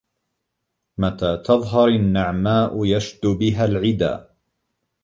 متى تظهر النعماء يشج بها العدا